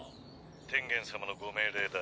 天元様のご命令だ。